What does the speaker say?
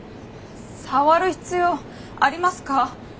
触る必要ありますか？